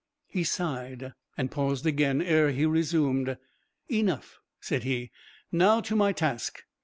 He sighed, and paused again ere he resumed. "Enough," said he; "now to my task.